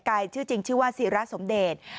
กายชื่อจริงชื่อว่าสีราสมเดช